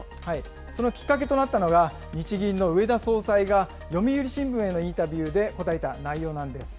そのきっかけとなったのが、日銀の植田総裁が、読売新聞へのインタビューで答えた内容なんです。